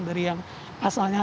dari yang asalnya